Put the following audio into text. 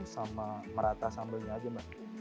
sama merata sambalnya saja mas